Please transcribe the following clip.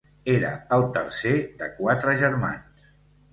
Era el tercer de quatre germans: